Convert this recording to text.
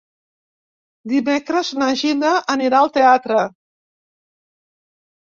Dimecres na Gina anirà al teatre.